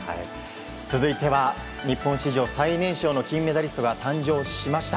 続いては、日本史上最年少の金メダリストが誕生しました。